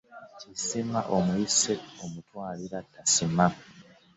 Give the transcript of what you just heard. Kisima omuyise, omutwalira tasiima .